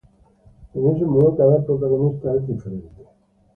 En este modo cada protagonista es diferente.